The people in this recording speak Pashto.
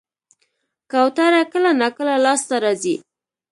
کوتره کله ناکله لاس ته راځي.